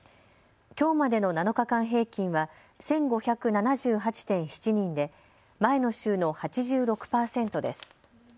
きょうまでの７日間平均は１５７８．７人で前の週の８６％です。